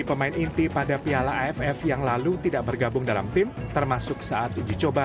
pemain inti pada piala aff yang lalu tidak bergabung dalam tim termasuk saat uji coba